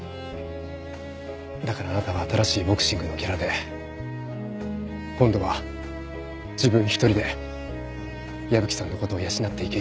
だからあなたは新しいボクシングのキャラで今度は自分一人で矢吹さんの事を養っていけるようにと。